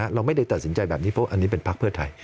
เราไม่ได้ตัดสินใจแบบนี้เพราะอันนี้เป็นพักเพื่อไทย